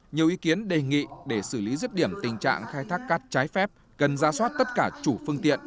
nhiều ý kiến đề nghị để xử lý rứt điểm tình trạng khai thác cát trái phép cần ra soát tất cả chủ phương tiện